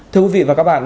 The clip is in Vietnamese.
thưa quý vị và các bạn